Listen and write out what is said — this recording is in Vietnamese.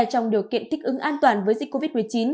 trong điều kiện thích ứng an toàn với dịch covid một mươi chín